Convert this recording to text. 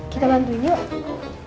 kita bantuin yuk